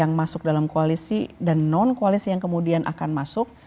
yang masuk dalam koalisi dan non koalisi yang kemudian akan masuk